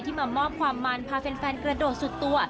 มามอบความมันพาแฟนกระโดดสุดตัว